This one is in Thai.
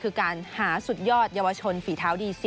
คือการหาสุดยอดเยาวชนฝีเท้าดีสุด